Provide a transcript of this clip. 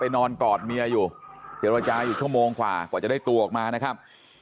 นอนกอดเมียอยู่เจรจาอยู่ชั่วโมงกว่ากว่าจะได้ตัวออกมานะครับ